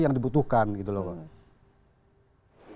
yang dibutuhkan gitu loh pak